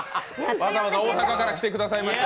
わざわざ大阪から来てくださいました。